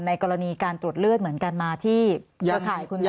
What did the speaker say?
กรณีการตรวจเลือดเหมือนกันมาที่เครือข่ายคุณหมอ